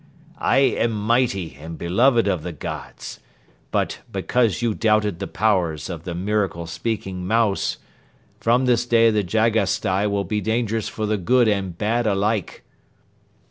I am mighty and beloved of the Gods but, because you doubted the powers of the miracle speaking mouse, from this day the Jagasstai will be dangerous for the good and bad alike.